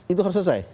itu harus selesai